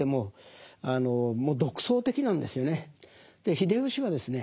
秀吉はですね